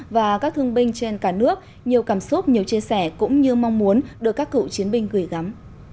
và các thương binh trên cả nước nhiều cảm xúc nhiều chia sẻ cũng như mong muốn được các cựu chiến binh gửi gắm